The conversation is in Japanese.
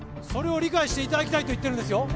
それを理解していただきたいと言ってるんですよ